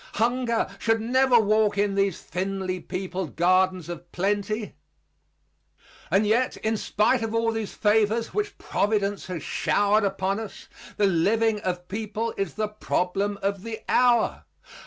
Hunger should never walk in these thinly peopled gardens of plenty. And yet in spite of all these favors which providence has showered upon us, the living of the people is the problem of the hour.